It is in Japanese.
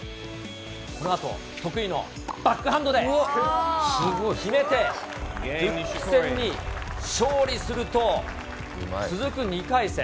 このあと得意のバックハンドで決めて、復帰戦に勝利すると、続く２回戦。